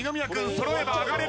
揃えば上がれる。